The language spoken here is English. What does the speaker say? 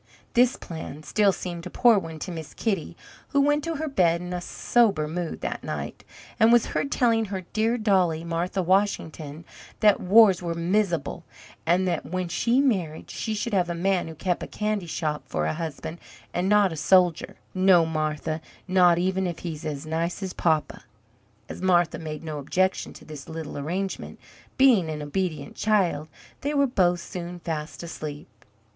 This plan, still, seemed a poor one to Miss Kitty, who went to her bed in a sober mood that night, and was heard telling her dear dollie, Martha Washington, that "wars were mis'able, and that when she married she should have a man who kept a candy shop for a husband, and not a soldier no, Martha, not even if he's as nice as papa!" As Martha made no objection to this little arrangement, being an obedient child, they were both soon fast asleep.